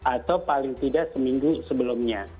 atau paling tidak seminggu sebelumnya